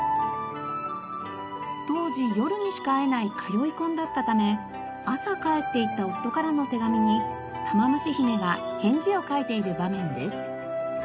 当時夜にしか会えない通い婚だったため朝帰って行った夫からの手紙に玉虫姫が返事を書いている場面です。